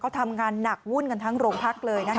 ทำงานหนักวุ่นกันทั้งโรงพักเลยนะคะ